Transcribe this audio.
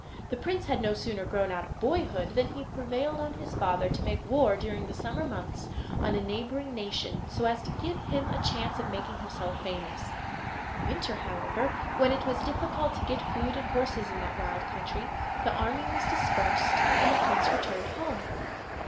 The prince had no sooner grown out of boyhood than he prevailed on his father to make war during the summer months on a neighbouring nation, so as to give him a chance of making himself famous. In winter, however, when it was difficult to get food and horses in that wild country, the army was dispersed, and the prince returned home.